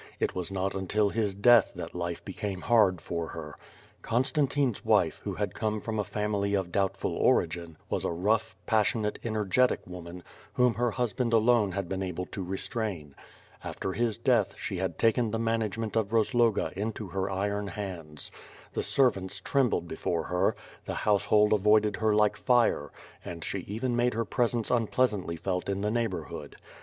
It was not until his death that life became hard for her. Constantine's wife, who had come from a family of doubtful origin, was a rough, pas sionate, energetic woman, whom her husband alone had been able to restrain. After his death, she had taken the manage ment of Rozloga into her iron hands. The servants trembled before her; the household avoided her like fire, and she even made her presence unpleasantly felt in the neighborhood.